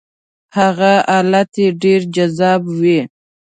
هغه حالت ډېر جذاب وي.